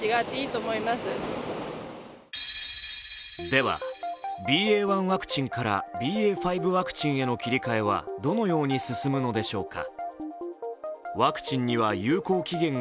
では、ＢＡ．１ワクチンからＢＡ．５ワクチン切り替えはどのように進むのでしょうか。